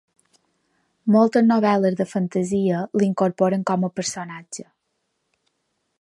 Moltes novel·les de fantasia l'incorporen com a personatge.